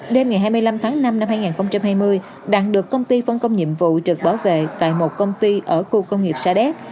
đêm ngày hai mươi năm tháng năm năm hai nghìn hai mươi đặng được công ty phân công nhiệm vụ trực bảo vệ tại một công ty ở khu công nghiệp sa đéc